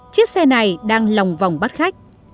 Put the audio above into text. chiếc xe này đang lòng vòng bắt khách